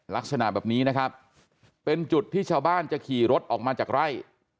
ลักษณะแบบนี้นะครับเป็นจุดที่ชาวบ้านจะขี่รถออกมาจากไร่